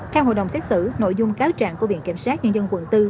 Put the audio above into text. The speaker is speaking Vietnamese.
theo hội đồng xét xử nội dung cáo trạng của viện kiểm sát nhân dân quận bốn